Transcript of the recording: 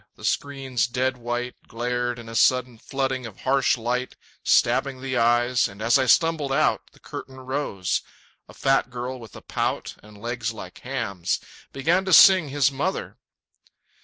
The screen's dead white Glared in a sudden flooding of harsh light Stabbing the eyes; and as I stumbled out The curtain rose. A fat girl with a pout And legs like hams, began to sing "His Mother".